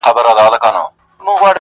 په خندا يې مچولم غېږ يې راکړه،